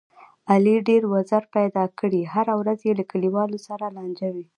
علي ډېر وزر پیدا کړي، هره ورځ یې له کلیوالو سره لانجه وي.